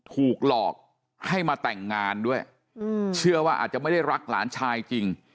ถูกหลอกให้มาแต่งงานด้วยเชื่อว่าอาจจะไม่ได้รักหลานชายจริง